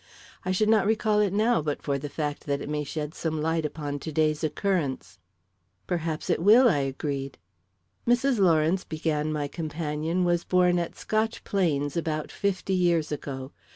I should not recall it now but for the fact that it may shed some light upon to day's occurrence." "Perhaps it will," I agreed. "Mrs. Lawrence," began my companion, "was born at Scotch Plains about fifty years ago.